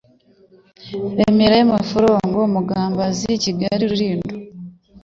Remera y' Abaforongo Mugambazi Kigali Rulindo